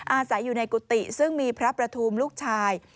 อาศัยอยู่ในกุฏิซึ่งมีพระประทูมลูกชาย